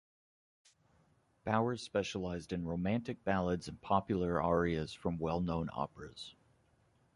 Bowers specialised in "romantic ballads and popular arias from well-known operas".